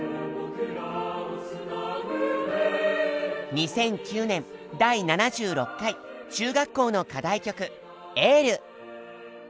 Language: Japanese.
２００９年第７６回中学校の課題曲「ＹＥＬＬ」。